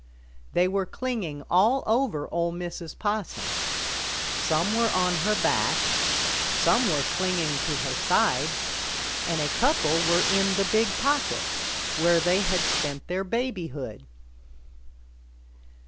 They were clinging all over Ol' Mrs. Possum. Some were on her back, some were clinging to her sides, and a couple were in the big pocket, where they had spent their babyhood.